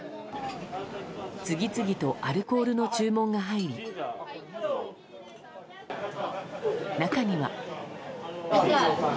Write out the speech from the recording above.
次々とアルコールの注文が入り中には。